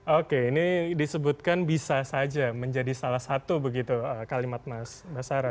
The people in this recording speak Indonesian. oke ini disebutkan bisa saja menjadi salah satu begitu kalimat mas basara